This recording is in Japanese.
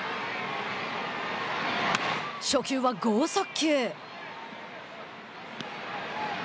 初球は剛速球。